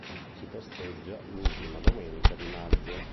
Si festeggia l'ultima domenica di maggio.